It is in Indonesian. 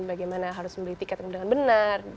bagaimana harus membeli tiket dengan benar